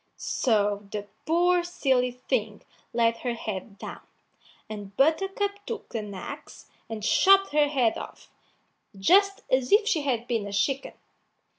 So the poor silly thing laid her head down, and Buttercup took an axe and chopped her head off, just as if she had been a chicken.